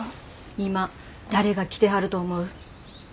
今誰が来てはると思う？